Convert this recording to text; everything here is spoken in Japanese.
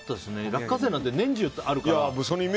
落花生なんて、年中あるから。